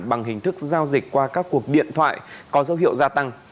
bằng hình thức giao dịch qua các cuộc điện thoại có dấu hiệu gia tăng